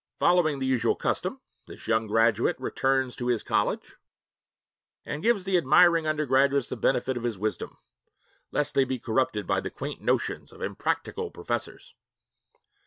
Following the usual custom, this young graduate returns to his college and gives the admiring undergraduates the benefit of his wisdom, lest they be corrupted by the quaint notions of impractical professors.